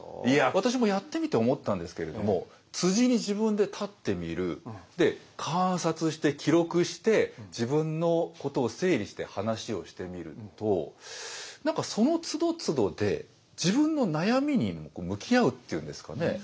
いや私もやってみて思ったんですけれどもに自分で立ってみるで観察して記録して自分のことを整理して話をしてみると何かそのつどつどで自分の悩みに向き合うっていうんですかね